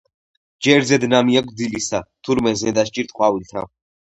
ჯერ ზედ ნამი აქვთ დილისა.თურმე ზნედა სჭირთ ყვავილთა